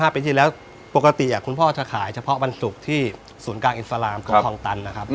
ปีที่แล้วปกติคุณพ่อจะขายเฉพาะวันศุกร์ที่ศูนย์กลางอิสลามของคลองตันนะครับ